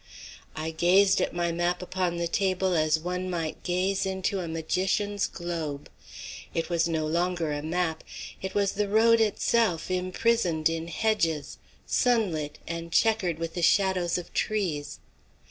I gazed at my map upon the table as one might gaze into a magician's globe. It was no longer a map; it was the road itself imprisoned in hedges, sunlit, and chequered with the shadows of trees.